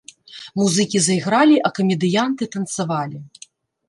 Музыкі зайгралі, а камедыянты танцавалі.